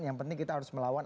yang penting kita harus melawan